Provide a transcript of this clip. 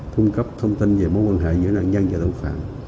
cung cấp thông tin về mối quan hệ giữa nạn nhân và tội phạm